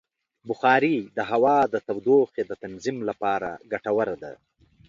بخاري د هوا د تودوخې د تنظیم لپاره ګټوره ده.